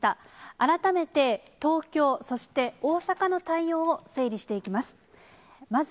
改めて、東京、そして大阪の対応を整理していきます。